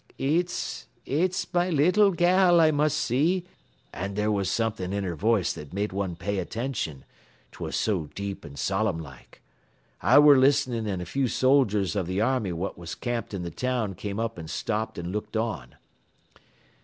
"'E eets my leetle gal I must see,' an' there was somethin' in her voice that made one pay attention, 'twas so deep an' solemn like. I ware listening an' a few soldiers av th' army what was camped in th' town came up an' stopped an' looked on.